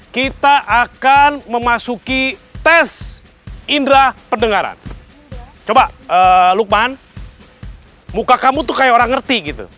kita akan memasuki tes indera pendengaran coba lukman muka kamu tuh kayak orang ngerti gitu